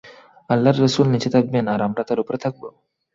আল্লাহর রাসূল নিচে থাকবেন আর আমরা তার উপরে থাকব?